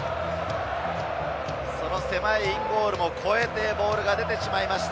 狭いインゴールも超えてボールが出てしまいました。